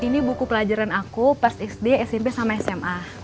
ini buku pelajaran aku pers isdi smp sama sma